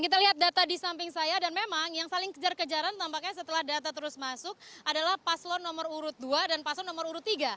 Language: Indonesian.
kita lihat data di samping saya dan memang yang saling kejar kejaran tampaknya setelah data terus masuk adalah paslon nomor urut dua dan paslon nomor urut tiga